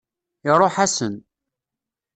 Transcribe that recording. Iṛuḥ-asen.